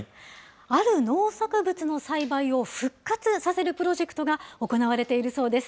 ある農作物の栽培を復活させるプロジェクトが行われているそうです。